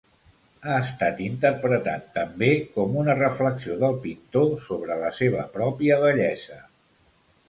Ha estat interpretat també com una reflexió del pintor sobre la seva pròpia vellesa.